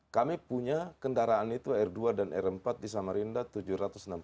kami punya kendaraan itu r dua dan r empat di samarinda tujuh ratus enam puluh